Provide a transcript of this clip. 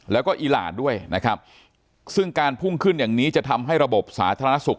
แล้วก็อีหลานด้วยนะครับซึ่งการพุ่งขึ้นอย่างนี้จะทำให้ระบบสาธารณสุข